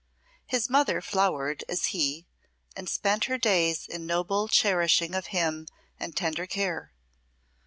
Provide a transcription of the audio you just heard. His mother flowered as he, and spent her days in noble cherishing of him and tender care.